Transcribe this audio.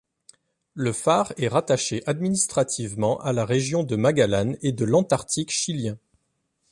Le phare est rattaché administrativement à la région de Magallanes et de l'Antarctique chilien.